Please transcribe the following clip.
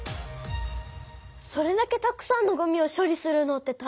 それだけたくさんのごみを処理するのってたいへんそう！